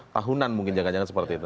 tahunan mungkin jangan jangan seperti itu